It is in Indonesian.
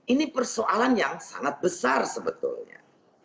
ini persoalan yang sangat besar sebetulnya